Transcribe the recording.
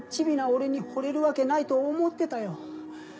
俺にほれるわけないと思ってたよ。